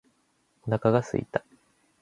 お腹が空いた